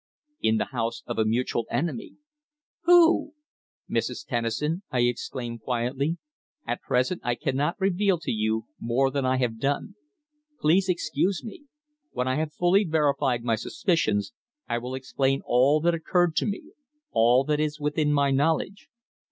"In the house of a mutual enemy." "Who?" "Mrs. Tennison," I exclaimed quietly. "At present I cannot reveal to you more than I have done. Please excuse me. When I have fully verified my suspicions I will explain all that occurred to me all that is within my knowledge.